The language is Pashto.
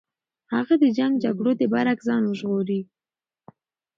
هغه د جنګ جګړو د برعکس ځان ژغوري.